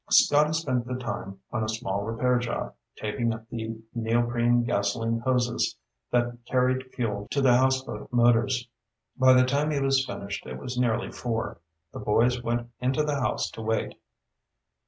Scotty spent the time on a small repair job, taping up the neoprene gasoline hoses that carried fuel to the houseboat motors. By the time he was finished, it was nearly four. The boys went into the house to wait.